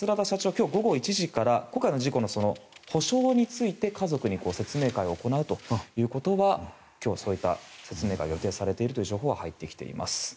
今日午後１時から今回の事故の補償について家族に説明会を行うということが今日、そういった説明がされるという情報は入っています。